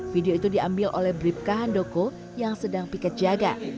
video itu diambil oleh bribka handoko yang sedang piket jaga